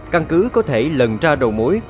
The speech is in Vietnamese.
căn cứ có thể lần ra đầu mối